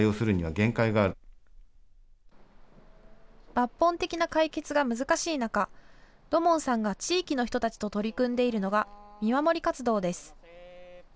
抜本的な解決が難しい中、土門さんが地域の人たちと取り組んでいるのが見守り活動です。